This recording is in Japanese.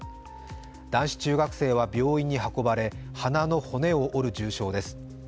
男子中学生は病院に運ばれ鼻の骨を折る重傷です。